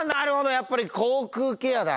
やっぱり口腔ケアだ。